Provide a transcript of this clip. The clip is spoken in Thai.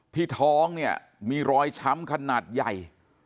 ที่ท้องมีรอยช้ำขนาดใหญ่